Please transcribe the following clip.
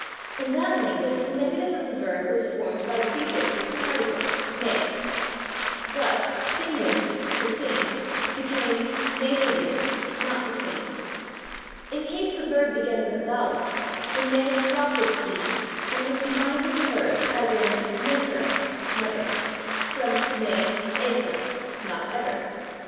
In that language the negative of the verb was formed by prefixing a particle, /ne/. Thus, /singan/ (=/to sing/) became /ne singan/ (=/not to sing/). In case the verb began with a vowel the /ne/ dropped its /e/ and was combined with the verb, as in /naefre/ (never), from /ne aefre/ (=/not ever